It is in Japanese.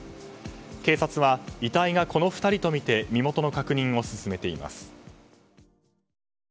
警察は遺体がこの２人とみて身元の確認を進めています。